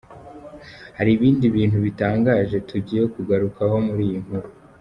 Hari ibindi bintu bitangaje tugiye kugarukaho muri iyi nkuru.